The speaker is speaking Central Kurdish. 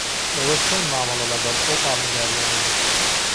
ئێوە چۆن مامەڵە لەگەڵ ئەو ئاڵنگارییانە دەکەن؟